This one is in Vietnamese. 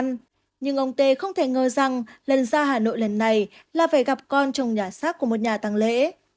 nhưng ông tê không thể ngờ rằng lần ra hà nội lần này là phải gặp con trong nhà xác của một nhà tăng lễ